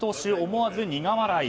思わず苦笑い。